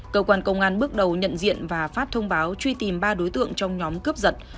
cơ quan công an bước đầu nhận diện và phát thông báo truy tìm ba đối tượng trong nhóm cướp giật